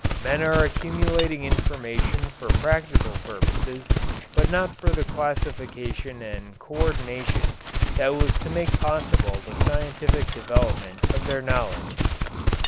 Men are accumulating information for practical purposes but not for the classification and co ordination that was to make possible the scientific development of their knowledge.